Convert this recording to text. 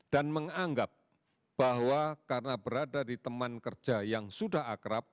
dan menganggap bahwa karena berada di teman kerja yang sudah akrab